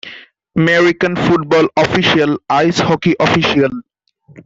American football official, Ice hockey official.